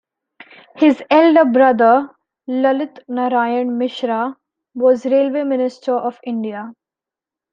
His elder brother, Lalit Narayan Mishra, was Railway Minister of India.